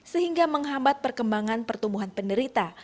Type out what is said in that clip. sehingga menghambat perkembangan pertumbuhan penderita